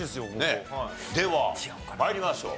では参りましょう。